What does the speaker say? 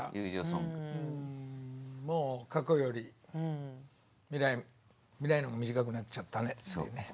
もう過去より未来の方が短くなっちゃったねっていうね。